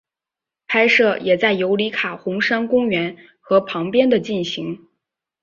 拍摄也在尤里卡红杉公园和旁边的进行。